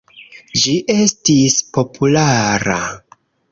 Ĝi estis populara.